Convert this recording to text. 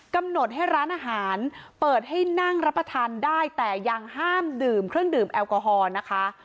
กำหนดให้ร้านอาหารเปิดให้นั่งรับประทานได้แต่ยังห้ามดื่มเครื่องดื่มแอลกอฮอล์นะคะ